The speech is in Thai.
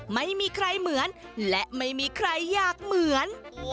ไม่มีใครเหมือนและไม่มีใครอยากเหมือน